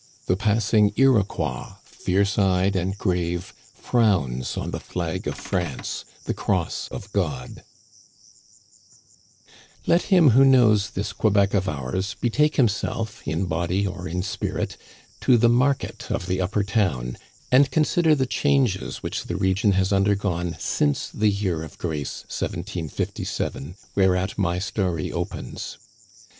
The passing Iroquois, fierce eyed and grave, Frowns on the flag of*France, the cross of God, Let him who knows this Quebec of ours betake him self, in body or in spirit, to the market of the Upper Town, and consider the changes which the region has undergone since the year of grace i7S7/whereat my story opens.